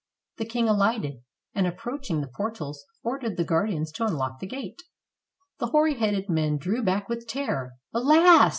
The king alighted, and approaching the portals, or dered the guardians to unlock the gate. The hoary headed men drew back with terror. "Alas!"